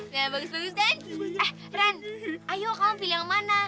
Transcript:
nah bagus bagus dan eh ren ayo kamu pilih yang mana